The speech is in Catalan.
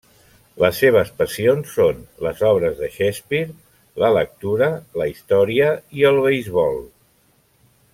Les seves passions són les obres de Shakespeare, la lectura, la història i el beisbol.